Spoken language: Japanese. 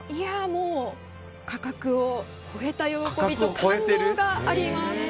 もう、価格を超えた喜びと感動があります。